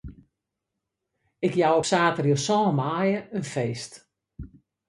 Ik jou op saterdei sân maaie in feest.